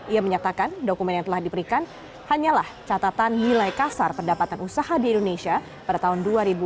ia menyatakan dokumen yang telah diberikan hanyalah catatan nilai kasar pendapatan usaha di indonesia pada tahun dua ribu dua puluh